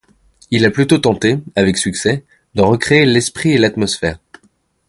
Il a plutôt tenté, avec succès, d'en recréer l'esprit et l'atmosphère.